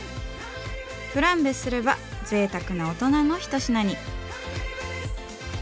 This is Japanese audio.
フランベすればぜいたくなオトナの一品に。